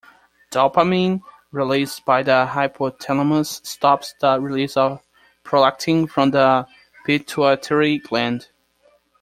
Dopamine, released by the hypothalamus stops the release of prolactin from the pituitary gland.